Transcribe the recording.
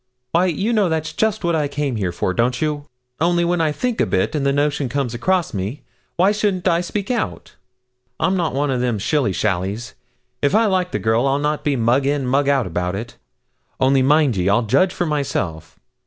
Why, you know that's just what I come here for don't you? Only when I think a bit, and a notion comes across me, why shouldn't I speak out? I'm not one o' them shilly shallies. If I like the girl, I'll not be mug in and mug out about it. Only mind ye, I'll judge for myself.